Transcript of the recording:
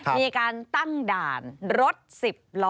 มีการตั้งด่านรถ๑๐ล้อ